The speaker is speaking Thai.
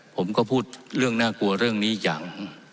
ผมก็พูดเรื่องน่ากลัวเรื่องนี้อย่าง